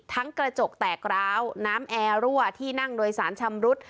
กระจกแตกร้าวน้ำแอร์รั่วที่นั่งโดยสารชำรุด